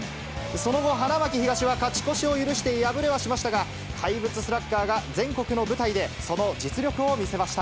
その後、花巻東は勝ち越しを許して敗れはしましたが、怪物スラッガーが全国の舞台で、その実力を見せました。